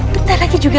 bentar lagi juga